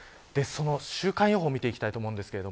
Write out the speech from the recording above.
週間予報を見ていきたいと思います。